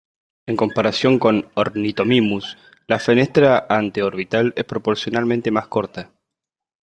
En comparación con "Ornithomimus", la fenestra anteorbital es proporcionalmente más corta.